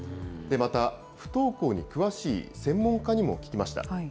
また、不登校に詳しい専門家にも聞きました。